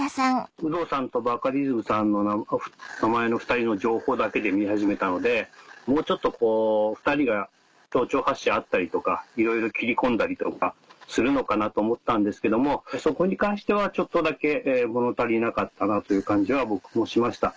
有働さんとバカリズムさんの２人の名前の情報だけで見始めたのでもうちょっとこう２人が丁々発止あったりとかいろいろ切り込んだりとかするのかなと思ったんですけどそこに関してはちょっとだけ物足りなかったなという感じは僕もしました。